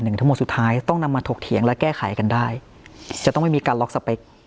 ทั้งหมดสุดท้ายต้องนำมาถกเถียงและแก้ไขกันได้จะต้องไม่มีการล็อกสเปค